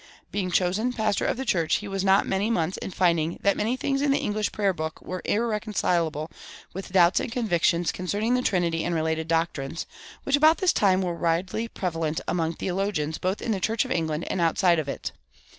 Being chosen pastor of the church, he was not many months in finding that many things in the English Prayer book were irreconcilable with doubts and convictions concerning the Trinity and related doctrines, which about this time were widely prevalent among theologians both in the Church of England and outside of it.